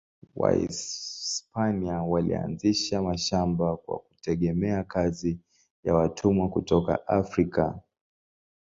Wahispania walianzisha mashamba kwa kutegemea kazi ya watumwa kutoka Afrika.